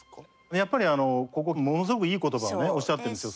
やっぱりあのここものすごくいい言葉をおっしゃってるんですよ。